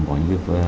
có những cái